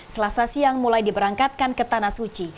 selasa siang mulai diberangkatkan ke tanah suci